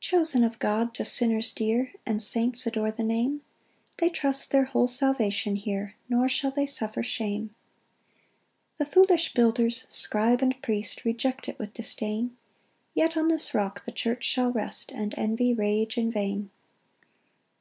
2 Chosen of God, to sinners dear, And saints adore the Name, They trust their whole salvation here, Nor shall they suffer shame. 3 The foolish builders, scribe and priest, Reject it with disdain; Yet on this rock the church shall rest, And envy rage in vain.